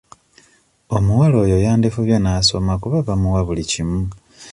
Omuwala oyo yandifubye n'asoma kuba bamuwa buli kimu.